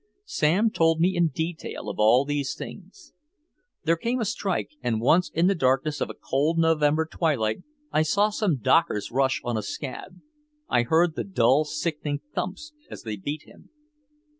Sam told me in detail of these things. There came a strike, and once in the darkness of a cold November twilight I saw some dockers rush on a "scab," I heard the dull sickening thumps as they beat him.